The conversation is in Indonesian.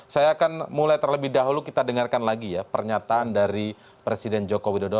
saya akan mulai terlebih dahulu kita dengarkan lagi ya pernyataan dari presiden joko widodo